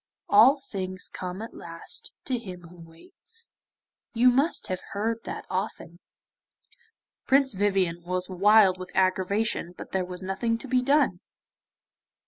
"All things come at last to him who waits;" you must have heard that often.' Prince Vivien was wild with aggravation, but there was nothing to be done.